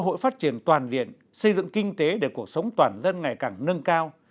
có cơ hội phát triển toàn viện xây dựng kinh tế để cuộc sống toàn dân ngày càng nâng cao